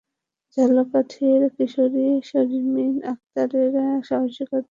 ঝালকাঠির কিশোরী শারমিন আক্তারের সাহসিকতার কাহিনি ইতিমধ্যে সারা দেশে ছড়িয়ে পড়েছে।